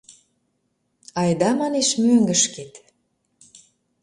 Айда, манеш, мӧҥгышкет.